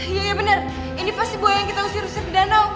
iya benar ini pasti buaya yang kita usir usir di danau